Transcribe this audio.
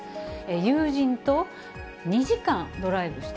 友人と２時間ドライブした。